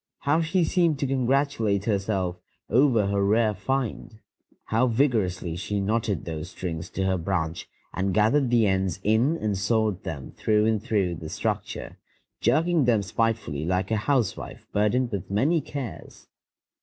How she seemed to congratulate herself over her rare find! How vigorously she knotted those strings to her branch and gathered the ends in and sewed them through and through the structure, jerking them spitefully like a housewife burdened with many cares!